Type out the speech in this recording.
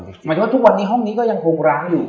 หมายถึงว่าทุกวันนี้ห้องนี้ก็ยังคงร้างอยู่